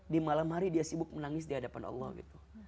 di malam hari dia sibuk menangis di hadapan allah gitu